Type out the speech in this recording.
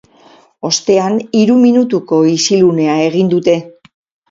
Ostean hiru minutuko isilunea egin dute.